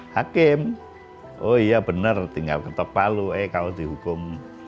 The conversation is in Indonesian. hakim oh iya benar tinggal ketepal lu eh kau dihukum